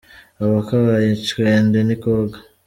Akabaye icwende ntikoga.